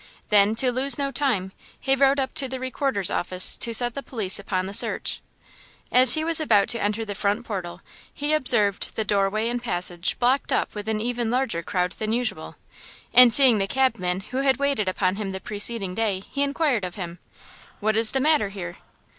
Then, to lose no time, he rode up to the Recorder's office to set the police upon the search. As he was about to enter the front portal he observed the doorway and passage blocked up with even a larger crowd than usual. And seeing the cabman who had waited upon him the preceding day, he inquired of him: "What is the matter here?"